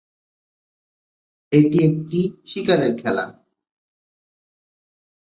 এটি একটি শিকারের খেলা।